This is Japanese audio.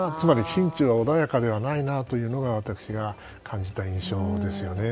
心中は穏やかではないというのが私が感じた印象ですよね。